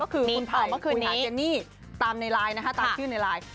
คุณไภคุยหาเจนนี่ตามชื่อในไลน์